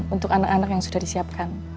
untuk anak anak yang sudah disiapkan